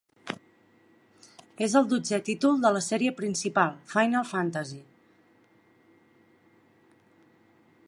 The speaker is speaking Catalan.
És el dotzè títol de la sèrie principal "Final Fantasy".